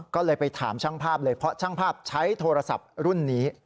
ก็เลยไปถามช่างภาพเลยเพราะช่างภาพใช้โทรศัพท์รุ่นนี้